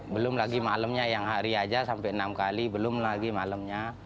belum lagi malamnya yang hari aja sampai enam kali belum lagi malamnya